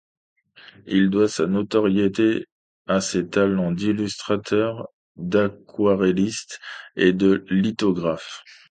Il doit sa notoriété à ses talents d'illustrateur, d'aquarelliste et de lithographe.